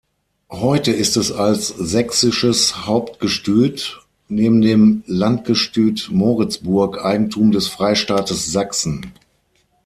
Heute ist es als Sächsisches Hauptgestüt, neben dem Landgestüt Moritzburg, Eigentum des Freistaates Sachsen.